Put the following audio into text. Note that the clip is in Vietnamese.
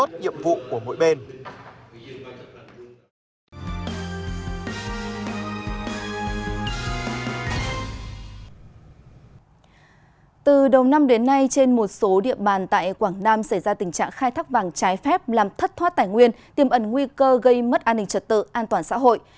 tại quảng nam xảy ra tình trạng khai thác vàng trái phép làm thất thoát tài nguyên tiềm ẩn nguy cơ gây mất an ninh trật tự an toàn xã hội